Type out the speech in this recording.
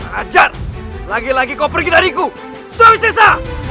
ajar lagi lagi kau pergi dariku sorowisesa